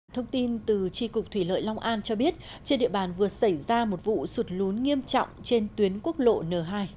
thông tin từ tri cục thủy lợi long an cho biết trên địa bàn vừa xảy ra một vụ sụt lún nghiêm trọng trên tuyến quốc lộ n hai